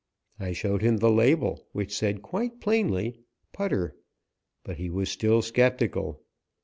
I showed him the label, which said quite plainly "putter," but he was still skeptical.